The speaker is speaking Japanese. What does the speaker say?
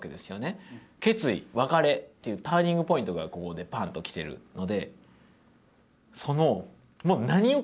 決意別れっていうターニングポイントがここでパンと来てるので。